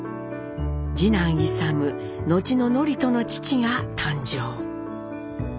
次男・勇後の智人の父が誕生。